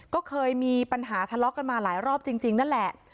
ก็เคยมีปัญหาทะเลาะกันมาหลายรอบจริงนั่นแหละ